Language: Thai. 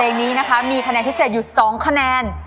เพลงนี้นะคะมีคะแนนพิเศษอยู่๒คะแนน